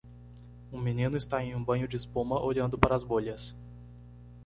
Um menino está em um banho de espuma? olhando para as bolhas.